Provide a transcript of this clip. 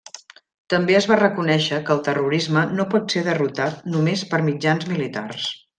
També es va reconèixer que el terrorisme no pot ser derrotat només per mitjans militars.